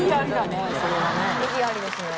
異議ありですね。